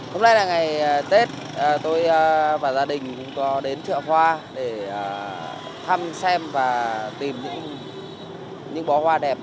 hôm nay là ngày tết tôi và gia đình cũng có đến chợ hoa để thăm xem và tìm những bó hoa đẹp